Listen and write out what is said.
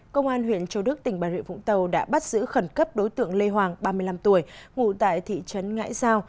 công an huyện châu đức tỉnh bà nguyễn phụng tàu đã bắt giữ khẩn cấp đối tượng lê hoàng ba mươi năm tuổi ngủ tại thị trấn ngãi giao